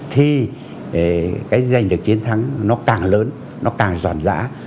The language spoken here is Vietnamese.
thì cái giành được chiến thắng nó càng lớn nó càng giòn dã